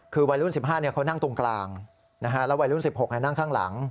คือวัยรุ่น๑๕เนี่ยเขานั่งตรงกลางนะฮะแล้ววัยรุ่น๑๖เนี่ยนั่งข้างหลัง